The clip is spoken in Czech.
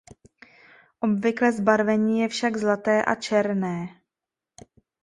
Obvyklé zbarvení je však zlaté a černé.